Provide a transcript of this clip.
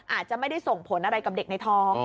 อาจจะไม่ได้ส่งผลอะไรกับเด็กในท้อง